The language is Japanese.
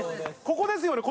・ここですよね